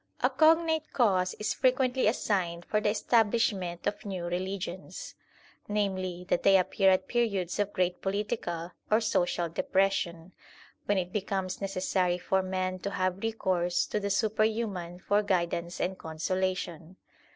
A cognate cause is frequently assigned for the establish ment of new religions, namely, that they appear at periods of great political or social depression, when it becomes necessary for men to have recourse to the superhuman for INTRODUCTION xli guidance and consolation.